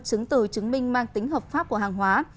chứng từ chứng minh mang tính hợp pháp của hàng hóa